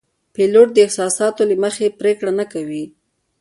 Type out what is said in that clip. پیلوټ د احساساتو له مخې پرېکړه نه کوي.